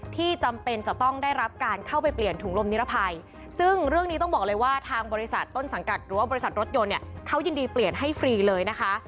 จำเป็นจะต้องได้รับการเข้าไปเปลี่ยนถุงลมนิรภัยซึ่งเรื่องนี้ต้องบอกเลยว่าทางบริษัทต้นสังกัดหรือว่าบริษัทรถยนต์เนี่ยเขายินดีเปลี่ยนให้ฟรีเลยนะคะ